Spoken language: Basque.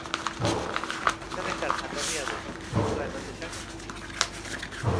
Atzerritar jatorria dut, botoa eman dezaket?